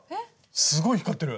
すごい光ってる。